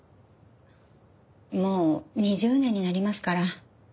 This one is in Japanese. もう２０年になりますから。